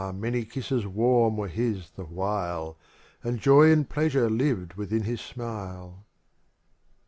many kisses warm were his the while, And joy and pleasure lived within his 3mile.